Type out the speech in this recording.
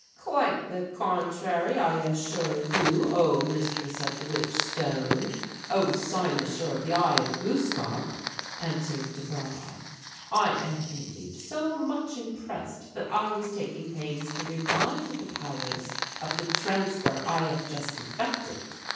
"Quite the contrary, I assure you, O Mistress of the Witch Stone, O Cynosure of the 'Eye of Gluskâp!'" answered Desbra. "I am, indeed, so much impressed that I was taking pains to remind the Powers of the transfer I have just effected!